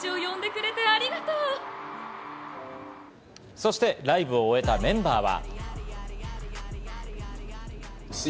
そしてライブを終えたメンバーは。